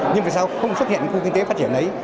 nhưng vì sao không xuất hiện khu kinh tế phát triển đấy